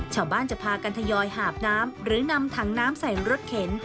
ชาวบ้านจะพากันทยอยหาบน้ำหรือนำถังน้ำใส่รถเข็น